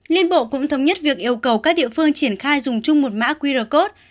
liên bộ cũng thống nhất việc yêu cầu các địa phương triển khai dùng chung một mã qr code